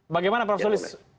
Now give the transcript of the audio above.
bagaimana prof sulis